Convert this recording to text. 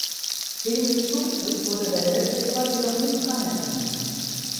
Wegen des Sturzes wurde der Weltrekord jedoch nicht anerkannt.